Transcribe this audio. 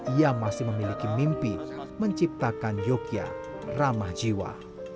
ia masih memiliki mimpi menciptakan yogyakarta ramah jiwa